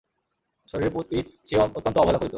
শরীরের প্রতি সে অত্যন্ত অবহেলা করিত।